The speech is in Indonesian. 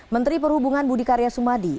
menteri perhubungan budi karya sumadi